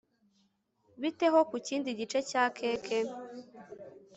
bite ho ku kindi gice cya keke